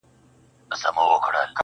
• موږ له سدیو ګمراهان یو اشنا نه سمیږو -